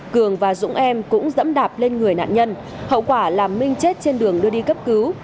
cường và dũng em cũng dẫm đạp lên người nạn nhân hậu quả làm minh chết trên đường đưa đi cấp cứu